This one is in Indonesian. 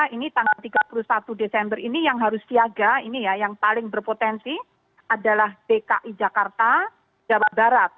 ini tanggal tiga puluh satu desember ini yang harus siaga ini ya yang paling berpotensi adalah dki jakarta jawa barat